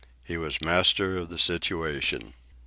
He was master of the situation.